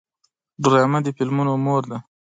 ډرامه د فلمونو مور ده